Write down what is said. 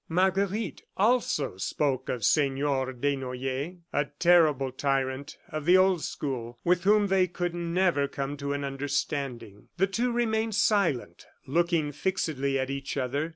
Marguerite also spoke of Senor Desnoyers. A terrible tyrant of the old school with whom they could never come to an understanding. The two remained silent, looking fixedly at each other.